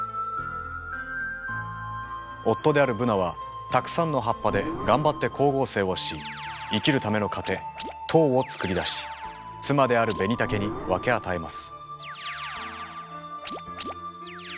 夫であるブナはたくさんの葉っぱで頑張って光合成をし生きるための糧糖を作り出し妻であるベニタケに分け与えます。